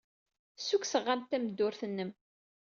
Ssukkseɣ-am-d tameddurt-nnem.